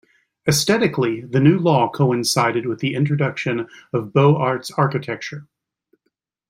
Aesthetically, the New Law coincided with the introduction of Beaux-Arts architecture.